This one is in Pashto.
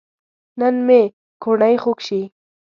نن مې کوڼۍ خوږ شي